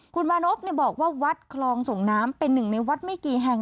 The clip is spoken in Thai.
คุณมานพบอกว่าวัดคลองส่งน้ำเป็นหนึ่งในวัดไม่กี่แห่ง